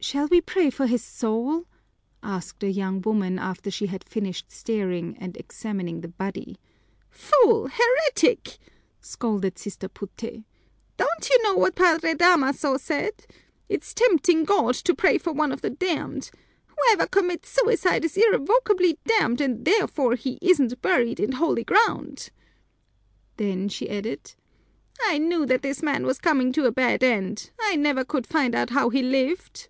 "Shall we pray for his soul?" asked a young woman, after she had finished staring and examining the body. "Fool, heretic!" scolded Sister Puté. "Don't you know what Padre Damaso said? It's tempting God to pray for one of the damned. Whoever commits suicide is irrevocably damned and therefore he isn't buried in holy ground." Then she added, "I knew that this man was coming to a bad end; I never could find out how he lived."